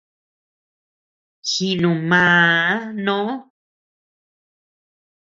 Jinu màà noo.